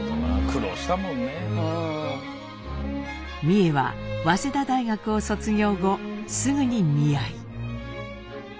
美惠は早稲田大学を卒業後すぐに見合い。